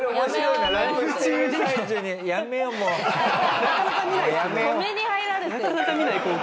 なかなか見ない光景。